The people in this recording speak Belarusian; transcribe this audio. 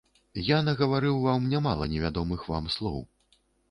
Я нагаварыў вам нямала невядомых вам слоў.